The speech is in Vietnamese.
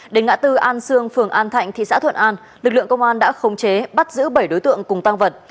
đến ngã tư an sương phường an thạnh thị xã thuận an lực lượng công an đã khống chế bắt giữ bảy đối tượng cùng tăng vật